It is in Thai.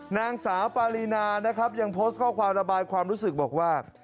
นางสาวปารีนานะครับยังโพสต์ข้อความระบายความรู้สึกบอกว่า